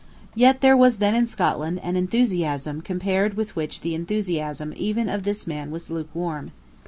Yet there was then in Scotland an enthusiasm compared with which the enthusiasm even of this man was lukewarm.